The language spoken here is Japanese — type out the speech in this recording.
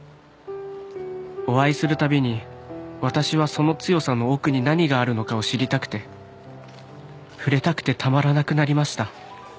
「お会いするたびに私はその強さの奥に何があるのかを知りたくて触れたくてたまらなくなりました」